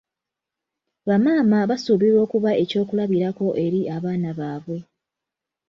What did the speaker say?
Bamaama basuubirwa okuba ekyokulabirako eri abaana baabwe.